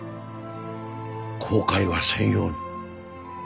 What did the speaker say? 後悔はせんように。